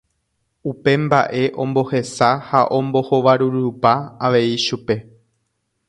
Ha upe mba'e ombohesa ha ombohovarurupa avei chupe.